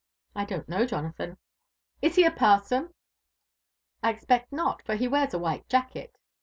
'' I don't know, Jonathan." '* Is h^ a parson?" " 1 ejipect no|, for be wears s^ while jacket."